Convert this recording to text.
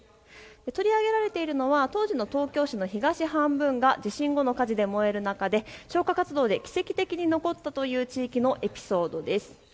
取り上げられているのは当時の東京市の東半分が地震後の火事で燃える中で消火活動で奇跡的に残ったという地域のエピソードです。